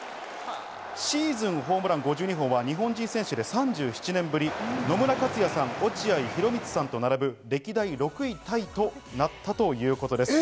シーズンホームラン５２本は日本人選手で３７年ぶり、野村克也さん、落合博満さんと並ぶ、歴代６位タイとなったということです。